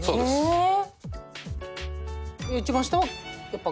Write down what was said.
へえ。